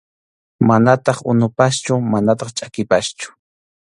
Manataq unupaschu manataq chʼakipaschu.